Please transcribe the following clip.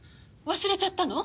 忘れちゃったの？